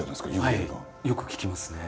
よく聞きますね。